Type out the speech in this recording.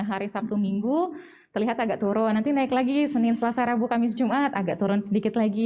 hari sabtu minggu terlihat agak turun nanti naik lagi senin selasa rabu kamis jumat agak turun sedikit lagi